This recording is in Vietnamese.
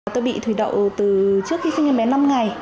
tôi bị thủy đậu từ trước khi sinh ra bé năm ngày